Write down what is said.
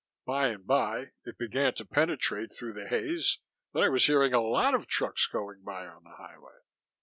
By and by it began to penetrate through the haze that I was hearing a lot of trucks going by on the highway.